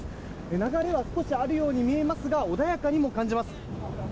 流れは少しあるように見えますが穏やかにも感じます。